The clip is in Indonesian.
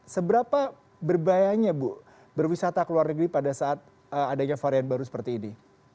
seberapa berbahayanya bu berwisata ke luar negeri pada saat adanya varian baru seperti ini